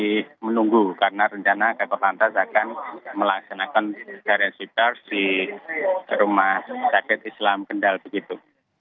masih menunggu karena rencana kakap lantas akan melaksanakan karensi pers di rumah sakit islam kendal begitu